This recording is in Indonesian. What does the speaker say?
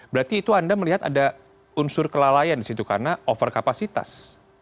berarti itu anda melihat ada unsur kelalaian di situ karena over kapasitas